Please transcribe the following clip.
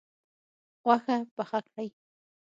غوښه پخه کړئ